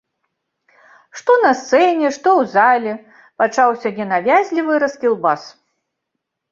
Што на сцэне, што ў зале пачаўся ненавязлівы раскілбас.